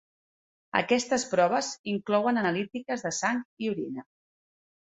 Aquestes proves inclouen analítiques de sang i orina.